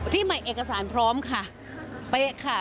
ที่ใหม่เอกสารพร้อมค่ะเป๊ะค่ะ